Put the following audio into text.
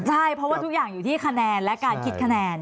ใช่เพราะว่าทุกอย่างอยู่ที่คะแนนและการคิดคะแนน